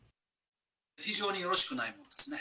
非常によろしくないものですね。